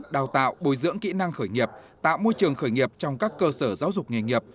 đào tạo bồi dưỡng kỹ năng khởi nghiệp tạo môi trường khởi nghiệp trong các cơ sở giáo dục nghề nghiệp